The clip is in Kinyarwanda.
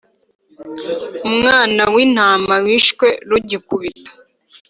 Umwana wintama wishwe rugikubita